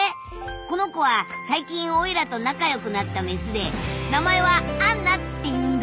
この子は最近オイラと仲良くなったメスで名前は「アンナ」っていうんだ。